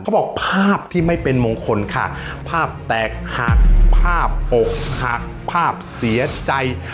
ภาพที่ไม่เป็นมงคลค่ะภาพแตกหักภาพอกหักภาพเสียใจ